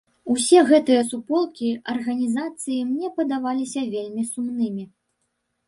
Усе гэтыя суполкі, арганізацыі мне падаваліся вельмі сумнымі.